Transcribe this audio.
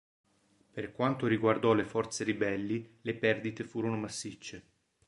Per quanto riguardò le forze Ribelli, le perdite furono massicce.